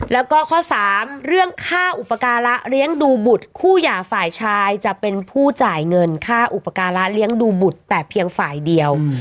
แล้วก็ข้อ๓เรื่องค่าอุปการะเลี้ยงดูบุตรคู่หย่าฝ่ายชายจะเป็นผู้จ่ายเงินค่าอุปการะเลี้ยงดูบุตรแต่เพียงฝ่ายเดียว